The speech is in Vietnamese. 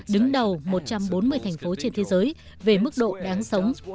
đứng đầu một trăm bốn mươi thành phố trên thế giới về mức độ đáng sống